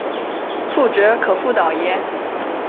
覆辙可复蹈耶？